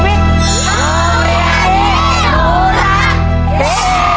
เรียนต่อชีวิต